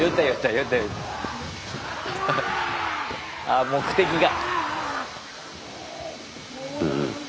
あ目的が。